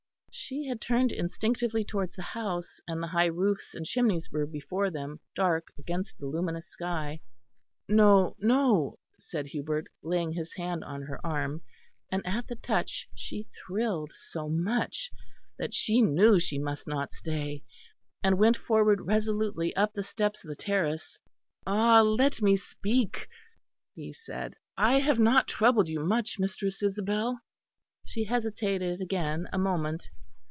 She had turned instinctively towards the house, and the high roofs and chimneys were before them, dark against the luminous sky. "No, no," said Hubert, laying his hand on her arm; and at the touch she thrilled so much that she knew she must not stay, and went forward resolutely up the steps of the terrace. "Ah! let me speak," he said; "I have not troubled you much, Mistress Isabel." She hesitated again a moment.